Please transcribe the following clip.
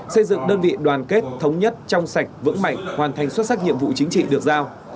xây dựng đơn vị đoàn kết thống nhất trong sạch vững mạnh hoàn thành xuất sắc nhiệm vụ chính trị được giao